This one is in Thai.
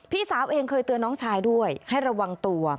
พี่สาวเองเคยเตือนน้องชายด้วยให้ระวังตัว